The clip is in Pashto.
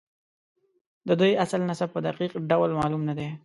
د دوی اصل نسب په دقیق ډول معلوم نه دی.